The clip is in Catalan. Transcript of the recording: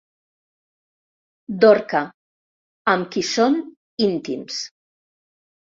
Dorca, amb qui són íntims.